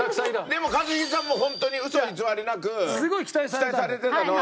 でも一茂さんもホントに嘘偽りなく期待されてたのは。